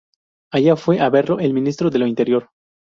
Allá fue a verlo el ministro de lo Interior.